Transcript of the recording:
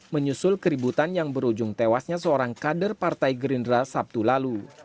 menyusul keributan yang berujung tewasnya seorang kader partai gerindra sabtu lalu